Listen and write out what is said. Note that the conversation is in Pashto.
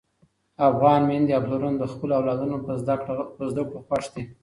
افغان میندې او پلرونه د خپلو اولادونو په زده کړو خوښ دي.